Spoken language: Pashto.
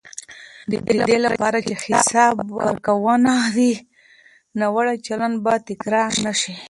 د دې لپاره چې حساب ورکونه وي، ناوړه چلند به تکرار نه شي.